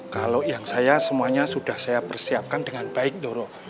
kalau yang saya semuanya sudah saya persiapkan dengan baik doro